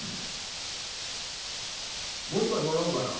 もう一杯もらおうかな」。